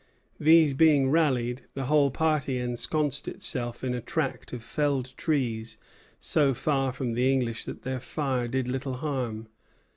These being rallied, the whole party ensconced itself in a tract of felled trees so far from the English that their fire did little harm.